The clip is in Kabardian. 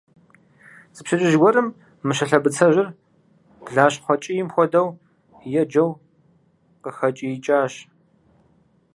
Зы пщэдджыжь гуэрым Мыщэ лъэбыцэжьыр, блащхъуэ кӀийм хуэдэу еджэу къыхэкӀиикӀащ.